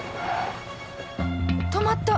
止まった！